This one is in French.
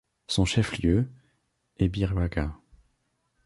Son chef-lieu est Biruaca.